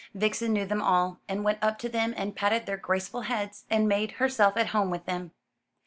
Vixen knew them all, and went up to them and patted their graceful heads, and made herself at home with them.